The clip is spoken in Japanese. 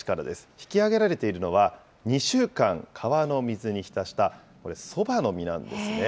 引き上げられているのは、２週間、川の水に浸したこれ、そばの実なんですね。